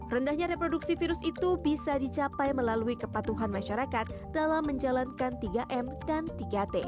rendahnya reproduksi virus itu bisa dicapai melalui kepatuhan masyarakat dalam menjalankan tiga m dan tiga t